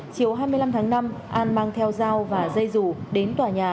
chiều hai mươi năm tháng năm an mang theo dao và dây dù đến tòa nhà